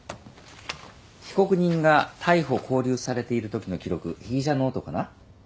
被告人が逮捕勾留されているときの記録被疑者ノートかな。